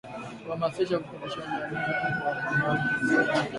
Kuhamasisha au kufundisha jamii yaani kuwafunza watu kuuhusu ugonjwa huo